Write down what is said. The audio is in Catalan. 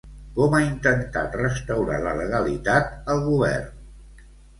Com ha intentat restaurar la legalitat, el govern?